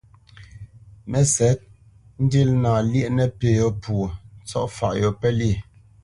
Mə́sɛ̌t, ndína lyéʼ nəpí yô pwô, ntsɔ̂faʼ yô pə́lyê.